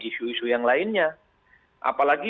isu isu yang lainnya apalagi